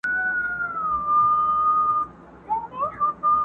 سړي وویل وراره دي حکمران دئ!.